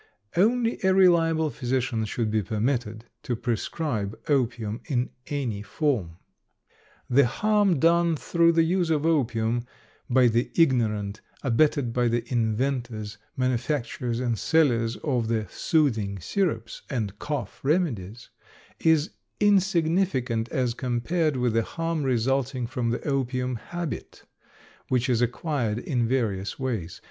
Only a reliable physician should be permitted to prescribe opium in any form. The harm done through the use of opium by the ignorant, abetted by the "inventors," manufacturers and sellers of the "soothing syrups" and "cough remedies," is insignificant as compared with the harm resulting from the opium habit, which is acquired in various ways.